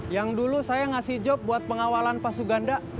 yang dulu saya ngasih job buat pengawalan pak suganda